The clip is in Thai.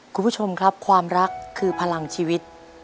คุณผู้ชมครับความรักคือพลังชีวิต